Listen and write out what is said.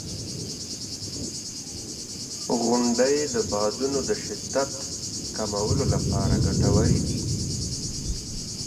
• غونډۍ د بادونو د شدت کمولو لپاره ګټورې دي.